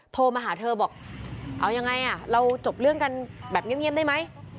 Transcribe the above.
โทรมาหาเธอบอกเอายังไงเราจบเรื่องกันแบบเงียบได้ไหม